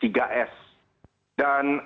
dan akan terjadi apa